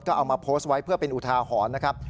ก็เอามาโพสต์ไว้เพื่อเป็นอุทาหรณ์นะครับ